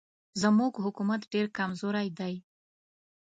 زموږ حکومت ډېر کمزوری دی.